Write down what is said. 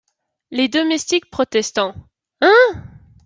Les Domestiques , protestant. — Hein !